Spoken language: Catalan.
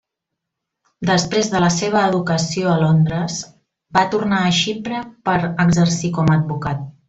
Després de la seva educació en Londres, va tornar Xipre per exercir com a advocat.